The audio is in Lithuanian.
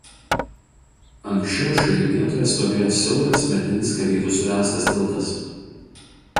Anksčiau šioje vietoje stovėjo siauras medinis kareivių suręstas tiltas.